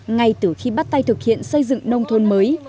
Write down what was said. ngay từ khi bắt tay thực hiện xây dựng nông thôn mới